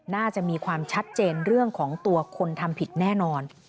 น่าจะมีความชัดเจนเรื่องของตัวคนทำผิดแน่นอน